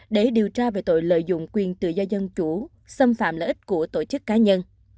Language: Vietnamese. để điều tra về tội lợi dụng quyền tự do dân chủ xâm phạm lợi ích của tổ chức cá nhân